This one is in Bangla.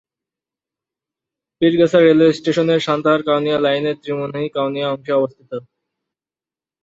পীরগাছা রেলওয়ে স্টেশন সান্তাহার-কাউনিয়া লাইনের ত্রিমোহনী-কাউনিয়া অংশে অবস্থিত।